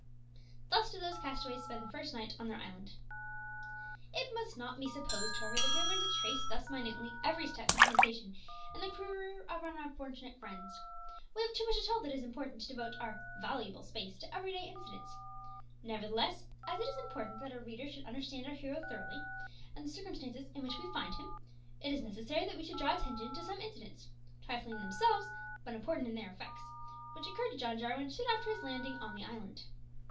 Thus did those castaways spend the first night on their island. It must not be supposed, however, that we are going to trace thus minutely every step and sensation in the career of our unfortunate friends. We have too much to tell that is important to devote our "valuable space" to everyday incidents. Nevertheless, as it is important that our readers should understand our hero thoroughly, and the circumstances in which we find him, it is necessary that we should draw attention to some incidents trifling in themselves, but important in their effects which occurred to John Jarwin soon after his landing on the island.